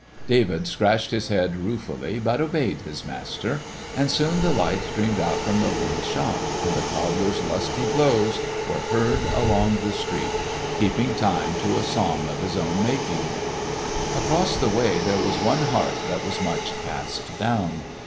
David scratched his head ruefully, but obeyed his master; and soon the light streamed out from the little shop, and the cobbler's lusty blows were heard along the street, keeping time to a song of his own making. Across the way there was one heart that was much cast down.